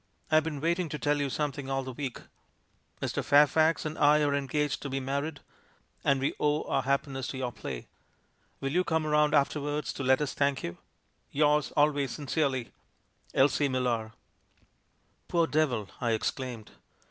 I've been waiting to tell you something all the week. Mr. Fairfax and I are engaged to be married — and we owe our happi ness to your play. Will you come round after wards to let us thank you? — Yours always sin cerely, "Elsie Millar." "Poor devil!" I exclaimed.